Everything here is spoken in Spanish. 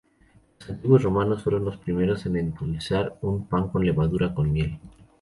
Los antiguos romanos fueron los primeros en endulzar un pan con levadura con miel.